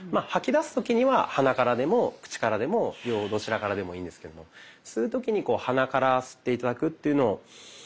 吐き出す時には鼻からでも口からでも両方どちらからでもいいんですけども吸う時に鼻から吸って頂くっていうのを。